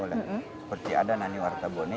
oleh seperti ada nani warta bone